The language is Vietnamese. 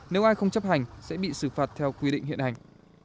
nếu ai không chấp hành sẽ bị xử phạt theo quy định hiện hành